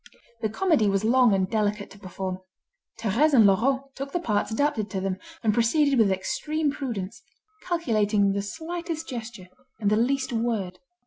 The comedy was long and delicate to perform. Thérèse and Laurent took the parts adapted to them, and proceeded with extreme prudence, calculating the slightest gesture, and the least word.